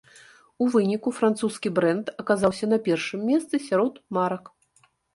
У выніку французскі брэнд аказаўся на першым месцы сярод марак.